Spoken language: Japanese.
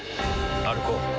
歩こう。